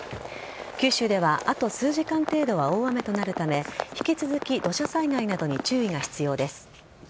九州ではあと数時間程度は大雨となるため引き続き土砂災害などに注意が必要です。